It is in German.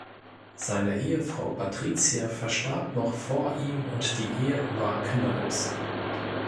Seine Ehefrau Patricia verstarb noch vor ihm und die Ehe war kinderlos.